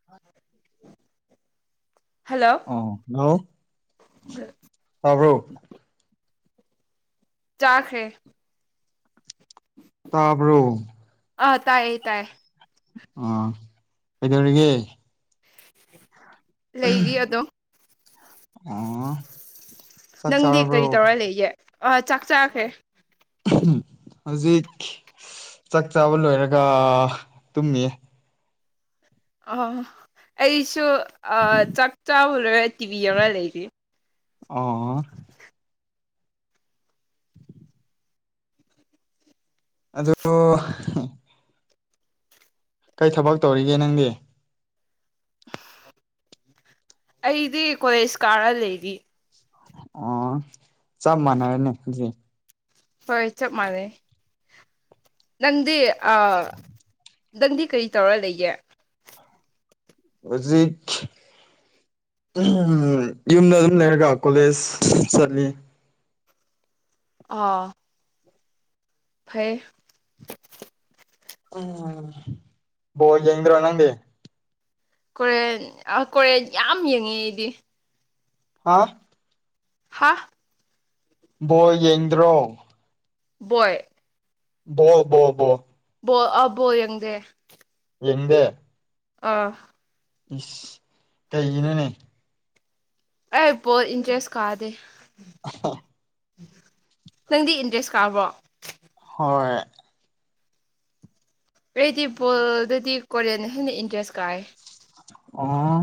[inaudible] Hello ꯑ hello ꯇꯕ꯭ꯔꯣ ꯆꯥꯈꯦ ꯇꯥꯕ꯭ꯔꯣ ꯑꯥ ꯇꯥꯏꯌꯦ ꯇꯥꯏꯌꯦ ꯑꯣ ꯀꯩꯗꯧꯔꯤꯒꯦ [inaudible] ꯑꯗꯨꯝ ꯎ ꯅꯪꯗꯤ ꯀꯔꯤ ꯆꯥꯔꯕ꯭ꯔꯣ ꯇꯧꯔ ꯂꯩꯌꯦ ꯆꯥꯛ ꯆꯥꯈ꯭ꯔꯦ ꯍꯧꯖꯤꯛ ꯆꯥꯛ ꯆꯥꯕ ꯂꯣꯏꯔꯒ ꯇꯨꯝꯃꯤ ꯑ ꯑꯩꯁꯨ ꯆꯥꯛ ꯆꯥꯕꯨꯔꯒ ꯇꯤꯕꯤ ꯌꯦꯡꯉꯥ ꯂꯩꯔꯤ ꯑꯣ ꯑꯗꯨ ꯀꯩ ꯊꯕꯛ ꯇꯧꯔꯤꯒꯦ ꯅꯪꯗꯤ ꯑꯩꯗꯤ ꯀꯣꯂꯦꯖ ꯀꯥꯔ ꯂꯩꯔꯤ ꯑꯣ ꯆꯞ ꯃꯥꯟꯅꯔꯦꯅꯦ ꯍꯣꯏ ꯆꯞ ꯃꯥꯟꯅꯩ ꯅꯪꯗꯤ ꯑ ꯅꯪꯗꯤ ꯀꯔꯤ ꯇꯧꯔ ꯂꯩꯒꯦ ꯍꯧꯖꯤꯠ ꯎ ꯌꯨꯝꯗ ꯑꯗꯨꯝ ꯂꯩꯔꯒ ꯀꯣꯂꯦꯖ ꯆꯠꯂꯤ ꯑꯥ ꯐꯩ ꯎꯝ ꯕꯣ ꯌꯦꯡꯗ꯭ꯔꯣ ꯅꯪꯗꯤ ꯀꯣꯔꯦꯟ ꯀꯣꯔꯦꯟ ꯌꯥꯝ ꯌꯦꯡꯉꯤ ꯑꯩꯗꯤ ꯍꯥ ꯍꯥꯥ ꯕꯣꯟ ꯌꯦꯡꯗ꯭ꯔꯣ ꯍꯧꯏ [unintelligible] ꯕꯣ ꯑꯕꯣ ꯌꯦꯡꯗꯦ ꯌꯦꯡꯗꯦ ꯑꯥ ꯏꯁ ꯀꯩꯒꯤꯅꯣꯅꯦ ꯑꯩ ꯖꯣꯜ ꯏꯟꯇ꯭ꯔꯦꯁ ꯀꯥꯗꯦ [unintelligible] ꯅꯪꯗꯤ ꯏꯟꯇ꯭ꯔꯦꯁ ꯀꯥꯕ꯭ꯔꯣ ꯍꯣꯏ ꯑꯩꯗꯤ ꯕꯣꯜꯗꯩꯗꯤ ꯀꯣꯔꯤꯌꯥꯅ ꯍꯦꯟꯅ ꯏꯟꯇꯔꯦꯁ ꯀꯥꯏ ꯑꯣ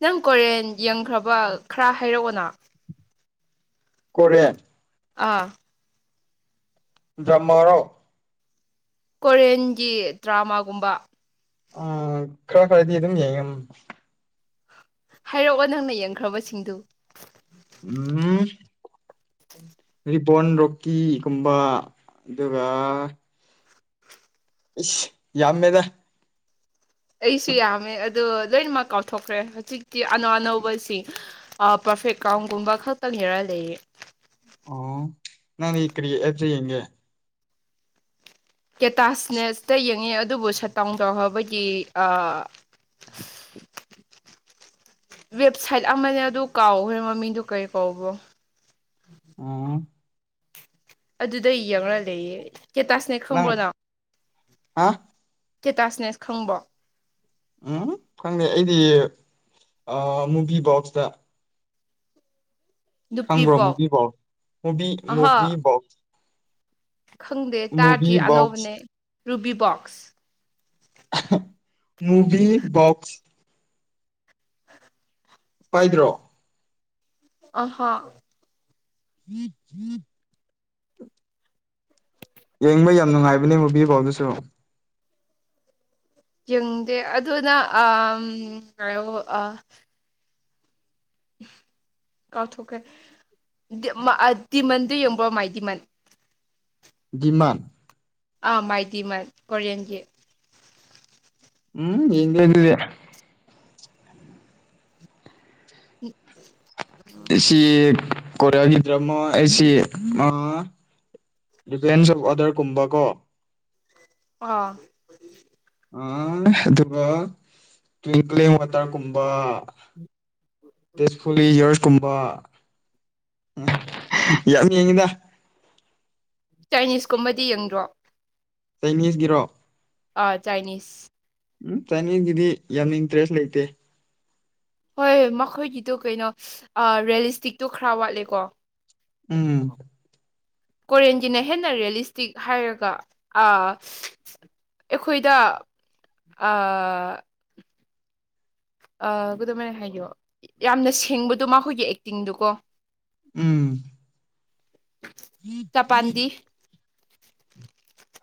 ꯅꯪ ꯀꯣꯔꯦꯟ ꯌꯦꯡꯈ꯭ꯔꯕꯣ ꯈꯔ ꯍꯥꯏꯔꯛꯑꯣꯅ ꯀꯣꯔꯦꯟ ꯑꯥ ꯗ꯭ꯔꯃꯥ ꯔꯣ ꯀꯣꯔꯤꯌꯟꯒꯤ ꯗ꯭ꯔꯥꯃꯥꯒꯨꯝꯕ ꯑꯥ ꯈꯔ ꯈꯔꯗꯤ ꯑꯗꯨꯝ ꯌꯦꯡꯉꯦ ꯍꯥꯏꯔꯛꯑꯣ ꯅꯪꯅ ꯌꯦꯡꯈ꯭ꯔꯕꯁꯤꯡꯗꯨ ꯎꯝ ꯔꯤꯕꯣꯟ ꯔꯣꯛꯀꯤꯒꯨꯝꯕ ꯑꯗꯨꯒ ꯏꯁ ꯌꯥꯝꯃꯦꯗ ꯑꯩꯁꯨ ꯌꯥꯝꯃꯦ ꯑꯗꯣ ꯂꯣꯏꯅꯃꯛ ꯀꯥꯎꯊꯣꯛꯈ꯭ꯔꯦ ꯍꯧꯖꯤꯛꯇꯤ ꯑꯅꯧ ꯑꯅꯧꯕꯁꯤ ꯄꯔꯐꯦꯛ ꯀꯥꯎꯟꯒꯨꯝꯕ ꯈꯛꯇꯪ ꯅꯦꯔ ꯂꯩꯌꯦ ꯑꯣ ꯅꯪ ꯗꯤ ꯀꯔꯤ ꯑꯦꯞꯇ ꯌꯦꯡꯒꯦ ꯀꯦꯇꯥꯁꯅꯦꯁꯇ ꯌꯦꯡꯉꯦ ꯑꯗꯨꯕꯨ ꯁꯠ ꯇꯥꯎꯟ ꯇꯧꯔꯕꯒꯤ ꯑ [unintelligible] ꯋꯦꯕꯁꯥꯏꯠ ꯑꯃꯅꯦ ꯑꯗꯨ ꯀꯥꯎꯈ꯭ꯔꯦ ꯃꯃꯤꯡꯗꯨ ꯀꯔꯤ ꯀꯧꯕꯔꯣ ꯎꯝ ꯑꯗꯨꯗ ꯌꯦꯡꯉ ꯂꯩꯌꯦ ꯀꯦꯇꯥꯁꯅꯦꯛ ꯈꯪꯕ꯭ꯔꯣ ꯅꯪ ꯍꯥ ꯀꯦꯇꯥꯁꯅꯦꯁ ꯈꯪꯕꯔꯣ ꯎꯝ ꯈꯪꯗꯦ ꯑꯩꯗꯤ ꯑ ꯃꯨꯕꯤ ꯕꯣꯛꯁꯇ ꯅꯨꯄꯤ ꯈꯪꯕ꯭ꯔꯣ ꯄꯣꯛ ꯃꯨꯚꯤꯕꯣꯛꯁ ꯃꯨꯚꯤ ꯃꯨꯚꯤ ꯑꯍꯥ ꯕꯣꯛ ꯈꯪꯗꯦ ꯃꯨꯚꯤ ꯇꯥꯗ꯭ꯔꯤ ꯕꯣꯛꯁ ꯑꯅꯧꯕꯅꯦ ꯔꯨꯕꯤ ꯕꯣꯛꯁ ꯃꯨꯚꯤ ꯕꯣꯛꯁ ꯄꯥꯏꯗ꯭ꯔꯣ ꯑꯍꯥ [unintelligible] ꯌꯦꯡꯕ ꯌꯥꯝ ꯅꯨꯡꯉꯥꯏꯕꯅꯦ ꯃꯨꯚꯤ ꯕꯣꯛꯁ ꯗꯨꯁꯨ ꯌꯦꯡꯗꯦ ꯑꯗꯨ ꯅꯪ ꯑ ꯀꯩꯑꯕꯣ ꯑ ꯀꯥꯎꯊꯣꯛꯈ꯭ꯔꯦ ꯗꯤꯃꯟꯗꯨ ꯌꯦꯡꯕ꯭ꯔꯣ ꯃꯥꯏ ꯗꯤꯃꯟ ꯗꯤꯃꯥꯟ ꯑꯥ ꯃꯥꯏ ꯗꯤꯃꯟ ꯀꯣꯔꯤꯌꯟꯒꯤ ꯎꯝ ꯌꯦꯡꯗꯦ ꯑꯗꯨꯗꯤ [unintelligible] ꯑꯦꯁꯤ ꯀꯣꯔꯤꯌꯥꯒꯤ ꯗ꯭ꯔꯥꯃ ꯍꯥꯢꯁꯤ ꯑ ꯗꯤꯄꯦꯟꯁ ꯑꯣꯐ ꯑꯗꯔꯒꯨꯝꯕ ꯀꯣ ꯑꯥ ꯑ ꯑꯗꯨꯒ ꯇ꯭ꯋꯡꯀꯂꯤꯡ ꯋꯥꯇꯔꯒꯨꯝꯕ ꯇꯦꯖ ꯍꯨꯂꯤ ꯌꯣꯔꯁ ꯀꯨꯝꯕ ꯌꯥꯝ ꯌꯦꯡꯉꯤꯗ ꯆꯥꯏꯅꯤꯁꯀꯨꯝꯕꯗꯤ ꯌꯦꯡꯗ꯭ꯔꯣ ꯆꯥꯏꯅꯤꯁꯀꯤꯔꯣ ꯑꯥ ꯆꯥꯏꯅꯤꯁ ꯎꯝ ꯆꯥꯅꯤꯡꯒꯤꯗꯤ ꯌꯥꯝ ꯏꯟꯇꯔꯦꯁ ꯂꯩꯇꯦ ꯍꯣꯏ ꯃꯈꯣꯏꯒꯤꯗꯣ ꯀꯩꯅꯣ ꯔꯔꯤꯌꯦꯂꯤꯁꯇꯤꯛꯇꯣ ꯈꯔ ꯋꯥꯠꯂꯦꯀꯣ ꯎꯝ ꯀꯣꯔꯤꯦꯟꯒꯤꯅ ꯍꯦꯟꯅ ꯔꯤꯌꯦꯂꯤꯁꯇꯤꯛ ꯍꯥꯏꯔꯒ ꯑꯩꯈꯣꯏꯗ ꯑꯑꯑ ꯈꯨꯗꯝꯃꯥꯏꯅ ꯍꯥꯏꯌꯣ ꯌꯥꯝꯅ ꯁꯦꯡꯕꯗꯣ ꯃꯈꯣꯏꯒꯤ ꯑꯦꯛꯇꯤꯡꯗꯨꯀꯣ ꯎꯝ ꯆꯄꯥꯟꯗꯤ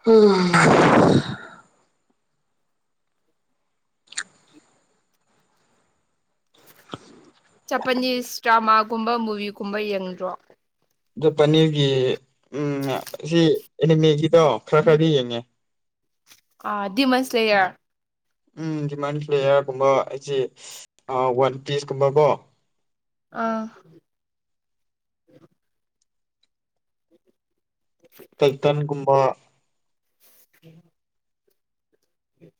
ꯎꯝ ꯆꯄꯅꯤꯁ ꯗ꯭ꯔꯃꯥꯒꯨꯝꯕ ꯃꯨꯚꯤꯒꯨꯝꯕ ꯌꯦꯡꯗ꯭ꯔꯣ ꯑꯗꯣ ꯄꯅꯤꯔꯒꯤ ꯎꯝ ꯁꯤ ꯑꯦꯅꯤꯃꯦꯒꯤꯗꯣ ꯈꯔ ꯈꯔꯗꯤ ꯌꯦꯡꯉꯦ ꯑꯗꯤꯃꯁ ꯂꯩꯌꯔ ꯎꯝ ꯗꯤꯃꯟ ꯐ꯭ꯂꯦꯌꯥꯔꯒꯨꯝꯕ ꯑꯩꯁꯦ ꯋꯥꯟ ꯄꯤꯁꯀꯨꯝꯕ ꯀꯣ ꯑꯥ [unintelligible] ꯇꯩꯇꯟꯒꯨꯝꯕ ꯎꯝ ꯎꯝ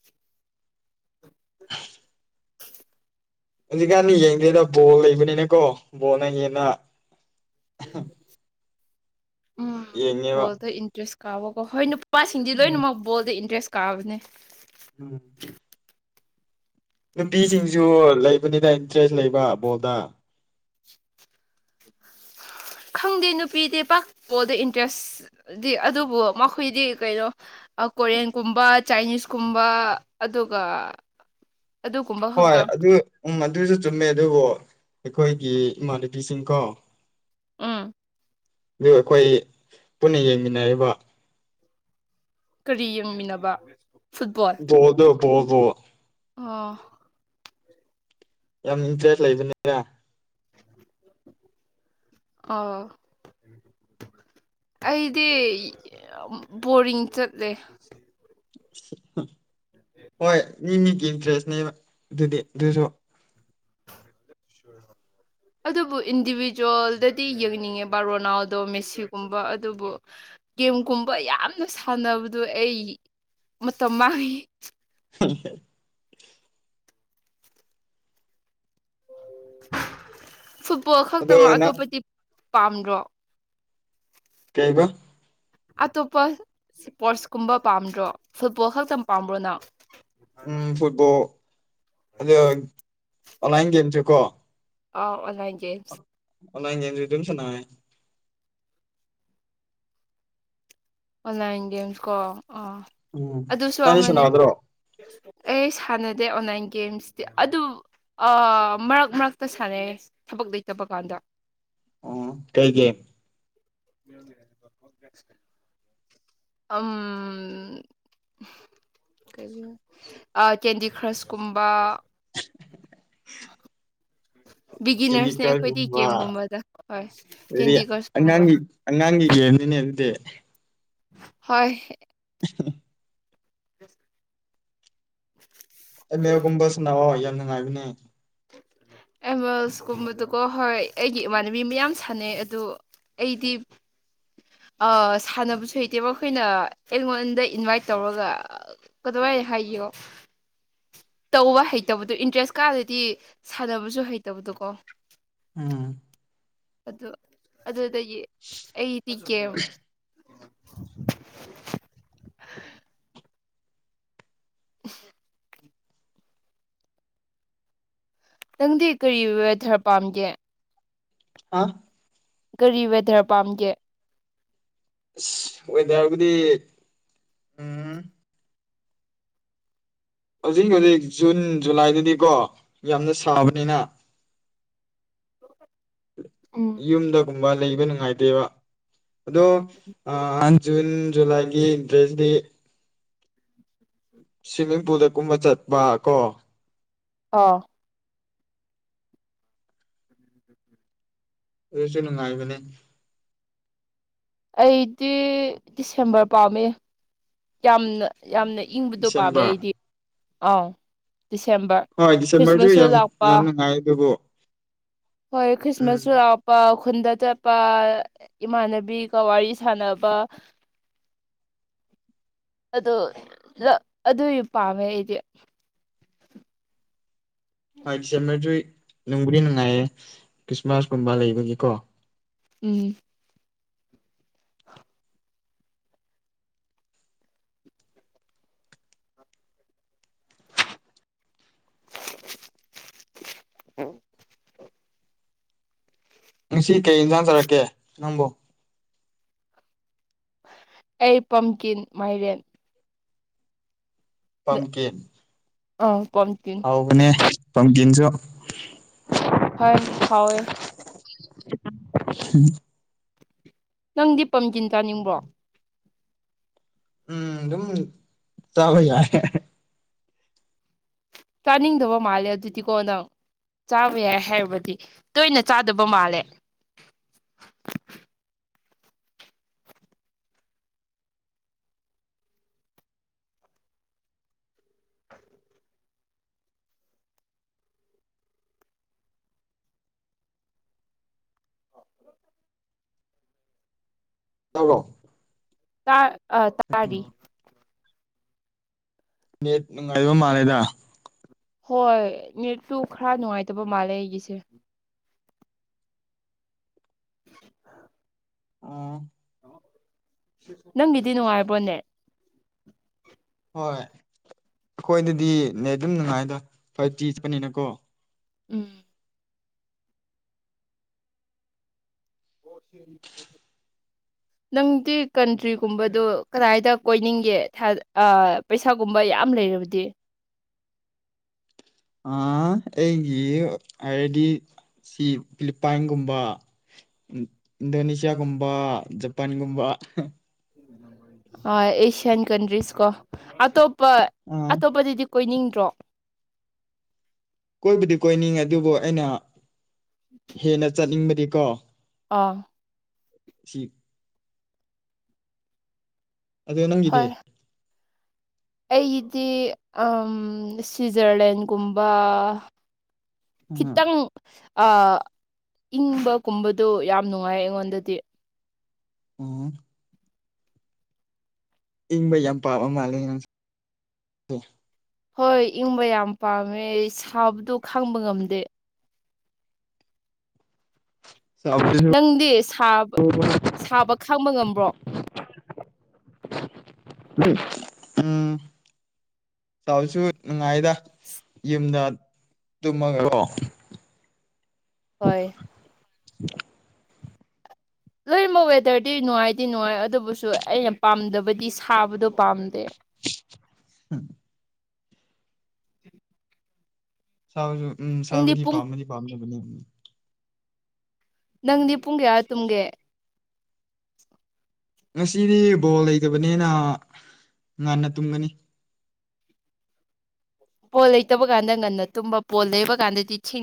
ꯍꯧꯖꯤꯛꯀꯥꯟꯗꯤ ꯌꯦꯡꯗꯦꯗ ꯕꯣꯜ ꯂꯩꯕꯅꯤꯅꯀꯣ ꯕꯣꯜꯅꯉꯦꯅ ꯎꯝ ꯌꯦꯡꯉꯦꯕ ꯕꯣꯜꯗ ꯏꯟꯇꯔꯦꯁ ꯀꯥꯕꯀꯣ ꯍꯣꯏ ꯅꯨꯄꯥꯁꯤꯡꯗꯤ ꯎꯝ ꯂꯣꯏꯅꯃꯛ ꯕꯣꯜꯗ ꯏꯟꯇꯔꯁ ꯀꯥꯕꯅꯦ ꯎꯝ ꯅꯨꯄꯤꯁꯤꯡꯁꯨ ꯂꯩꯕꯅꯤꯗ ꯏꯟꯇꯔꯦꯁ ꯂꯩꯕ ꯕꯣꯜꯗ ꯈꯪꯗꯦ ꯅꯨꯄꯤꯗꯤ ꯄꯥꯛ ꯕꯣꯜꯗ ꯏꯟꯇꯔꯦꯁ ꯗꯤ ꯑꯗꯨꯕꯨ ꯃꯈꯣꯏꯗꯤ ꯀꯩꯅꯣ ꯑꯥ ꯀꯣꯔꯤꯌꯟꯀꯨꯝꯕ ꯆꯥꯏꯅꯤꯁꯀꯨꯝꯕ ꯑꯗꯨꯒ ꯑꯗꯨꯒꯨꯝꯕ ꯍꯣꯏ ꯈꯛꯇꯪ ꯑꯗꯨ ꯎꯝ ꯑꯗꯨꯁꯨ ꯆꯨꯝꯃꯦ ꯑꯗꯨꯕꯨ ꯑꯩꯈꯣꯏꯒꯤ ꯏꯃꯥꯟꯅꯕꯤꯁꯤꯡꯀꯣ ꯎꯝ ꯑꯗꯨ ꯑꯩꯈꯣꯏ ꯄꯨꯟꯅ ꯌꯦꯡꯃꯤꯟꯅꯔꯤꯕ ꯀꯔꯤ ꯌꯦꯡꯃꯤꯟꯅꯕ ꯐꯨꯠꯕꯣꯜ ꯕꯣꯜꯗꯣ ꯕꯣ ꯄꯣ ꯑꯥ ꯌꯥꯝ ꯏꯟꯇꯔꯦꯁ ꯂꯩꯕꯅꯤꯅ ꯑꯥ ꯑꯩꯗꯤ ꯌꯝ ꯕꯣꯔꯤꯡ ꯆꯠꯂꯦ ꯍꯥ ꯍꯣꯏ ꯃꯤ ꯃꯤꯒꯤ ꯏꯟꯇꯔꯦꯁꯅꯤꯅ ꯑꯗꯨꯗꯤ ꯑꯗꯨꯁꯨ [unintelligible] ꯑꯗꯨꯕꯨ ꯏꯟꯗꯤꯕꯤꯖꯨꯋꯦꯜꯗꯗꯤ ꯌꯦꯡꯅꯤꯡꯉꯦꯕ ꯔꯣꯅꯥꯜꯗꯣ ꯃꯦꯁꯤꯒꯨꯝꯕ ꯑꯗꯨꯕꯨ ꯒꯦꯝꯒꯨꯝꯕ ꯌꯥꯝꯅ ꯁꯥꯟꯅꯕꯗꯨꯣ ꯑꯩ ꯃꯇꯝ ꯃꯥꯡꯉꯤ ꯍ ꯐꯨꯠꯕꯣꯜ ꯑꯗꯣ ꯈꯛꯇꯛ ꯅꯪ ꯑꯇꯣꯞꯄꯗꯤ ꯄꯥꯝꯗ꯭ꯔꯣ ꯀꯩꯕ ꯑꯇꯣꯞꯄ ꯏꯁꯄꯣꯔꯁ ꯀꯨꯝꯕ ꯄꯥꯝꯗ꯭ꯔꯣ ꯐꯨꯠꯕꯣꯜ ꯈꯛꯇꯪ ꯄꯥꯝꯕ꯭ꯔꯣ ꯅꯪ ꯎꯝ ꯐꯨꯠꯕꯣꯜ ꯑꯗꯨ ꯑꯣꯟꯂꯥꯏꯟ ꯒꯦꯝꯁꯨꯦ ꯀꯣ ꯑꯥ ꯑꯣꯟꯂꯥꯏꯟ ꯒꯝꯁ ꯑꯣꯟꯂꯥꯏꯟ ꯒꯝꯁꯨ ꯑꯗꯨꯝ ꯁꯥꯅꯩ ꯑꯣꯟꯂꯥꯏꯟ ꯒꯦꯝꯁ ꯀꯣ ꯑꯥ ꯎꯝ ꯑꯗꯨꯁꯨ ꯅꯪꯗꯤ ꯑꯃꯅꯤ ꯁꯥꯟꯅꯗ꯭ꯔꯣ ꯑꯩꯁ ꯍꯟꯅꯗꯦ ꯑꯣꯟꯂꯥꯏꯟ ꯒꯦꯝꯁꯇꯤ ꯑꯗꯨꯃ ꯑ ꯃꯔꯛ ꯃꯔꯛꯇ ꯁꯥꯟꯅꯩ ꯊꯕꯛ ꯂꯩꯇꯕ ꯀꯥꯟꯗ ꯎꯝ ꯀꯩꯒꯤ [inaudible] ꯎꯝ ꯑ ꯀꯟꯗꯤ ꯀ꯭ꯔꯁꯀꯨꯝꯕ [unintelligible] ꯀꯦꯟꯗꯤ ꯕꯤꯒꯤꯅꯔꯁꯅꯦ ꯑꯩꯈꯣꯏꯗꯤ ꯀ꯭ꯔꯁꯒꯨꯝꯕ ꯒꯝꯒꯨꯝꯕꯗ ꯍꯣꯏ ꯑꯗꯨꯗꯤ ꯀꯦꯟꯗꯤ ꯀ꯭ꯔꯁꯀꯨꯝꯕ ꯑꯉꯥꯡꯒꯤ ꯑꯉꯥꯡꯒꯤ ꯒꯝꯅꯤꯅꯦ ꯑꯗꯨꯗꯤ ꯍꯣꯢ [unintelligible] ꯑꯁ ꯑꯦꯃꯦꯜ ꯒꯨꯝꯕ ꯁꯅꯥꯎꯑꯣ ꯌꯥꯝ ꯅꯨꯡꯉꯥꯏꯕꯅꯦ ꯑꯦꯃꯦꯜꯁ ꯀꯨꯝꯕꯗꯨꯀꯣ ꯍꯣꯏ ꯑꯩꯒꯤ ꯏꯃꯥꯟꯅꯕꯤ ꯃꯌꯥꯝ ꯁꯥꯟꯅꯩ ꯑꯗꯣ ꯑꯩꯗꯤ ꯑ ꯁꯥꯟꯅꯕꯁꯨ ꯍꯩꯇꯦꯕ ꯑꯩꯈꯣꯏꯅ ꯑꯩꯉꯣꯟꯗ ꯏꯟꯚꯥꯏꯠ ꯇꯧꯔꯒ ꯀꯗꯨꯋꯥꯏ ꯍꯥꯏꯌꯣ ꯇꯧꯕ ꯍꯩꯇꯕꯗꯣ ꯏꯟꯇꯔꯦꯁ ꯀꯥꯗꯗꯤ ꯁꯥꯟꯅꯕꯁꯨ ꯍꯩꯇꯕꯗꯣ ꯀꯣ ꯎꯝ ꯑꯗꯨ ꯑꯗꯨꯗꯒꯤ ꯑꯩ ꯇꯀꯦ [inaudible] ꯅꯪꯗꯤ ꯀꯔꯤ ꯋꯦꯗꯔ ꯄꯥꯝꯒꯦ ꯑ ꯀꯔꯤ ꯋꯦꯗꯔ ꯄꯥꯝꯒꯦ ꯑꯁ ꯋꯦꯗꯔꯕꯨꯗꯤ ꯎꯝ ꯍꯧꯖꯤꯛ ꯍꯧꯖꯤꯛ ꯖꯨꯟ ꯖꯨꯂꯥꯏꯗꯗꯤꯀꯣ ꯌꯥꯝꯅ ꯁꯥꯕꯅꯤꯅ ꯎꯝ ꯌꯨꯝꯗꯒꯨꯝꯕ ꯂꯩꯕ ꯅꯨꯡꯉꯥꯏꯇꯦꯕ ꯑꯗꯣ ꯖꯨꯟ ꯖꯨꯂꯥꯏꯒꯤ ꯗ꯭ꯔꯦꯁ ꯗꯤ ꯁ꯭ꯋꯤꯃꯤꯡꯄꯨꯜꯗ ꯀꯨꯝꯕ ꯆꯠꯄ ꯀꯣ ꯑꯥ [inaudible] ꯑꯗꯨꯁꯨ ꯅꯨꯡꯉꯥꯏꯕꯅꯦ ꯑꯩꯗꯤ ꯗꯤꯁꯦꯝꯕꯔ ꯄꯥꯝꯃꯤ ꯌꯥꯝꯅ ꯌꯥꯝꯅ ꯏꯪꯕꯗꯣ ꯄꯥꯝꯃꯦ ꯗꯤꯁꯦꯝꯕꯔ ꯑꯩꯗꯤ ꯑꯥꯎ ꯗꯤꯁꯦꯝꯕꯔ ꯍꯣꯏ ꯗꯤꯁꯦꯝꯕꯔꯁꯨ ꯈ꯭ꯔꯤꯁꯃꯥꯁꯁꯨ ꯌꯥꯝ ꯂꯥꯛꯄ ꯌꯥꯝ ꯅꯨꯡꯉꯥꯏ ꯑꯗꯨꯕꯨ ꯍꯣꯏ ꯎꯝ ꯈ꯭ꯔꯤꯁꯃꯁꯁꯨ [unintelligible] ꯄ ꯈꯨꯟꯗ ꯆꯠꯄ ꯏꯃꯥꯟꯅꯕꯤꯒ ꯋꯥꯔꯤ ꯁꯥꯟꯅꯕ ꯑꯗꯨ ꯂ ꯑꯗꯨꯏ ꯄꯥꯝꯃꯦ ꯑꯩꯗꯤ ꯍꯣꯏ ꯗꯤꯁꯦꯝꯕꯔꯗ꯭ꯔꯤ ꯅꯨꯡꯕꯨꯗꯤ ꯅꯨꯡꯉꯥꯏꯌꯦ ꯈ꯭ꯔꯤꯁꯃꯥꯁ ꯀꯨꯝꯕ ꯂꯩꯕꯒꯤꯀꯣ ꯎꯝ [inaudible] ꯉꯁꯤ ꯀꯩ ꯏꯟꯁꯥꯡ ꯆꯥꯔꯛꯀꯦ ꯅꯪꯕꯣ ꯑꯩ ꯄꯝꯀꯤꯟ ꯃꯥꯏꯔꯦꯟ ꯄꯝꯀꯤꯟ ꯑꯥ ꯄꯝꯀꯤꯟ ꯍꯥꯎꯕꯅꯦ ꯄꯝꯀꯤꯟꯁꯨ ꯍꯣꯏ ꯍꯥꯎꯋꯦ [unintelligible] ꯅꯪꯗꯤ ꯄꯝꯖꯤꯟ ꯆꯥꯅꯤꯡꯕ꯭ꯔꯣ ꯎꯝ ꯑꯗꯨꯝ ꯆꯥꯕ ꯌꯥꯏꯌꯦ ꯆꯥꯅꯤꯡꯗꯕ ꯃꯥꯜꯂꯦ ꯑꯗꯨꯗꯤꯀꯣ ꯅꯪ ꯆꯥꯕ ꯌꯥꯏ ꯍꯥꯏꯕꯗꯤ ꯇꯣꯏꯅ ꯆꯥꯗꯕ ꯃꯥꯜꯂꯦ꯫ [inaudible] [unintelligible] ꯇꯥ ꯑ ꯇꯥꯔꯤ꯫ ꯅꯦꯠ ꯅꯨꯡꯉꯥꯏꯕ ꯃꯥꯜꯂꯦꯗ꯫ ꯍꯣꯏ ꯅꯦꯠꯇꯨ ꯈꯔ ꯅꯨꯡꯉꯥꯏꯇꯕ ꯃꯥꯜꯂꯦ ꯑꯩꯒꯤꯁꯦ꯫ [inaudible] ꯑꯣ꯫ ꯅꯪꯒꯤꯗꯤ ꯅꯨꯡꯉꯥꯏꯔꯕ꯭ꯔꯣ ꯅꯦꯠ꯫ ꯍꯣꯏ ꯑꯩꯈꯣꯏꯗꯗꯤ ꯅꯦꯠ ꯑꯗꯨꯝ ꯅꯨꯡꯉꯥꯏꯗ ꯐꯥꯏꯞ ꯖꯤ ꯆꯠꯄꯅꯤꯅꯀꯣ꯫ ꯎꯝ [inaudible] ꯅꯪꯗꯤ ꯀꯟꯇ꯭ꯔꯤꯒꯨꯝꯕꯗꯣ ꯀꯗꯥꯏꯗ ꯀꯣꯏꯅꯤꯡꯒꯦ ꯊ-ꯑ ꯄꯩꯁꯥꯒꯨꯝꯕ ꯌꯥꯝ ꯂꯩꯔꯕꯗꯤ ꯑ ꯑꯩꯒꯤ ꯍꯥꯏꯔꯗꯤ ꯁꯤ ꯐꯤꯂꯤꯞꯄꯥꯏꯟꯒꯨꯝꯕ꯫ ꯏꯟꯗꯣꯅꯦꯁꯤꯌꯥꯒꯨꯝꯕ ꯖꯄꯥꯟꯒꯨꯝꯕ꯫ ꯑꯣꯏ ꯑꯦꯁꯤꯌꯥꯟ ꯀꯟꯇ꯭ꯔꯤꯁ ꯀꯣ ꯑꯇꯣꯞꯄ ꯑꯥ ꯑꯇꯣꯞꯄꯗꯗꯤ ꯀꯣꯏꯅꯤꯡꯗ꯭ꯔꯣ꯫ ꯀꯣꯏꯕꯨꯗꯤ ꯀꯣꯏꯅꯤꯡꯉꯦ ꯑꯗꯨꯕꯨ ꯑꯩꯅ ꯍꯦꯟꯅ ꯆꯠꯅꯤꯡꯕꯗꯤꯀꯣ ꯑꯥ [unintelligible] ꯑꯗꯨ ꯅꯪꯒꯤꯗꯤ꯫ ꯑꯩꯒꯤꯗꯤ ꯑꯝ ꯁ꯭ꯋꯤꯖꯔꯂꯦꯟꯒꯨꯝꯕꯥ꯫ ꯎꯝ ꯈꯤꯇꯪ ꯑ ꯏꯪꯕ ꯀꯨꯝꯕꯗꯨ ꯌꯥꯝ ꯅꯨꯡꯉꯥꯏ ꯑꯩꯉꯣꯟꯗꯗꯤ꯫ ꯎꯝ ꯏꯪꯕ ꯌꯥꯝ ꯄꯥꯕ ꯃꯥꯜꯂꯦ ꯅꯪ-ꯁꯦ? ꯍꯣꯏ ꯏꯪꯕ ꯌꯥꯝ ꯄꯥꯝꯃꯦ ꯁꯥꯕꯗꯣ ꯈꯥꯡꯕ ꯉꯝꯗꯦ꯫ ꯆꯥꯎꯕꯁꯨ ꯅꯪꯗꯤ ꯁꯥꯕ-ꯁꯥꯕ ꯈꯥꯡꯕ ꯉꯝꯕ꯭ꯔꯣ? ꯎꯝ ꯇꯥꯎꯁꯨ ꯅꯨꯡꯉꯥꯏꯗ ꯌꯨꯝꯗ ꯇꯨꯝꯃꯒꯀꯣ꯫ ꯍꯣꯏ ꯂꯣꯏꯅꯃꯛ ꯋꯦꯗꯔꯗꯤ ꯅꯨꯡꯉꯥꯏꯗꯤ ꯅꯨꯡꯉꯥꯏ ꯑꯗꯨꯕꯨꯁꯨ ꯑꯩꯅ ꯄꯥꯝꯗꯕꯗꯤ ꯁꯥꯕꯗꯣ ꯄꯥꯝꯗꯦ꯫ ꯎꯝ [inaudible] ꯁꯕ ꯎꯝ ꯅꯪꯗꯤ ꯁꯕꯗꯤ ꯄꯨꯡ ꯄꯥꯝꯃꯗꯤ ꯄꯥꯝꯗꯕꯅꯤ꯫ ꯅꯪꯗꯤ ꯄꯨꯡ ꯀꯌꯥꯗ ꯇꯨꯝꯒꯦ? ꯉꯁꯤꯗꯤ ꯕꯣꯜ ꯂꯩꯇꯕꯅꯤꯅ ꯉꯟꯅ ꯇꯨꯝꯒꯅꯤ꯫ ꯄꯣꯜ ꯂꯩꯇꯕ ꯀꯥꯟꯗ ꯉꯟꯅ ꯇꯨꯝꯕ, ꯄꯣꯜ ꯂꯩꯕ ꯀꯥꯟꯗꯗꯤ ꯊꯦꯡ